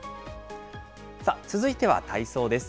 さあ、続いては体操です。